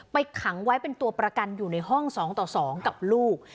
ขังไว้เป็นตัวประกันอยู่ในห้อง๒ต่อ๒กับลูก